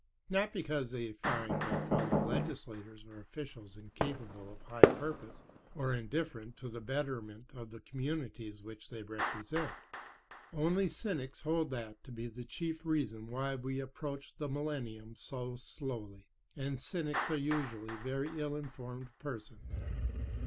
Not because they find their fellow legislators or officials incapable of high purpose or indifferent to the betterment of the communities which they represent. Only cynics hold that to be the chief reason why we approach the millennium so slowly, and cynics are usually very ill informed persons.